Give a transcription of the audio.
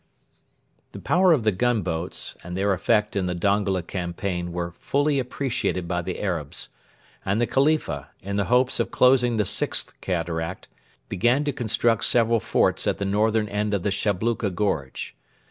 The power of the gunboats and their effect in the Dongola campaign were fully appreciated by the Arabs; and the Khalifa, in the hopes of closing the Sixth Cataract, began to construct several forts at the northern end of the Shabluka gorge.